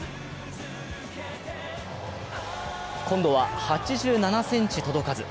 今度は８７ｃｍ届かず。